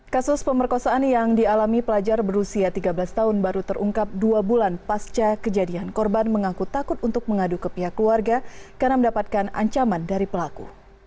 kasus pemerkosaan yang dialami pelajar berusia tiga belas tahun baru terungkap dua bulan pasca kejadian korban mengaku takut untuk mengadu ke pihak keluarga karena mendapatkan ancaman dari pelaku